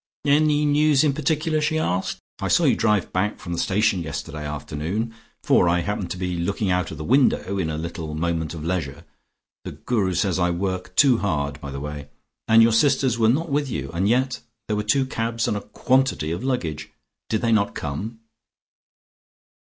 "Any news in particular?" she asked. "I saw you drive back from the station yesterday afternoon, for I happened to be looking out of the window, in a little moment of leisure the Guru says I work too hard, by the way and your sisters were not with you. And yet there were two cabs, and a quantity of luggage. Did they not come?"